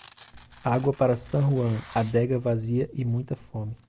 Água para San Juan, adega vazia e muita fome.